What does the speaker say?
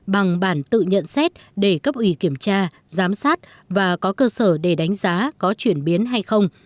bằng bản tự nhận xét để cấp ủy kiểm tra giám sát và có cơ sở để đánh giá có chuyển biến hay không